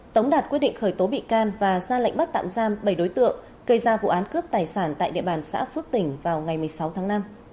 tống đạt quyết định khởi tố bị can và ra lệnh bắt tạm giam bảy đối tượng gây ra vụ án cướp tài sản tại địa bàn xã phước tỉnh vào ngày một mươi sáu tháng năm